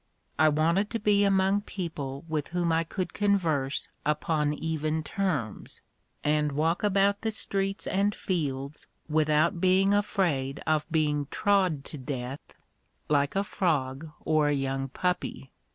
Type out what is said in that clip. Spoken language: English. I wanted to be among people with whom I could converse upon even terms, and walk about the streets and fields without being afraid of being trod to death like a frog or a young puppy.